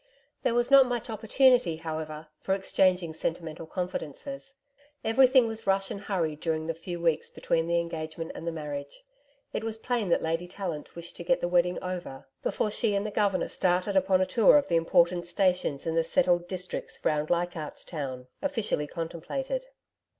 There was not much opportunity however, for exchanging sentimental confidences. Everything was rush and hurry during the few weeks between the engagement and the marriage. It was plain that Lady Tallant wished to get the wedding over before she and the Governor started upon a tour of the important stations in the settled districts round Leichardt's Town, officially contemplated.